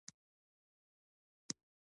دوی د نورو کارونو غوندي له وخت وخت سره خبره بدلوي